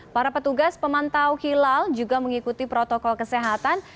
para petugas pemantau hilal juga mengikuti protokol kesehatan